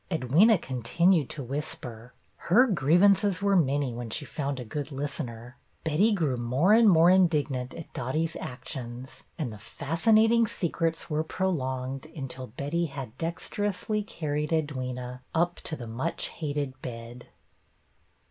Edwyna continued to whisper. Her grievances were many when she found a good listener. Betty grew more and more indignant at Dotty's actions, and the fas cinating secrets were prolonged until Betty had dexterously carried Edwyna up to the much hated bed.